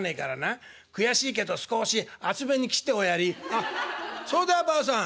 「あっそうだよばあさん。